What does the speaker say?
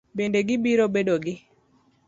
Bende gibiro bedo gi